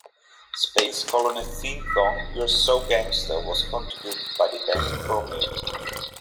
"Space Colony"s theme song "You're So Gangsta" was contributed by the band Chromeo.